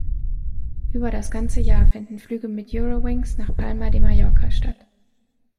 Über das ganze Jahr finden Flüge mit Eurowings nach Palma de Mallorca statt.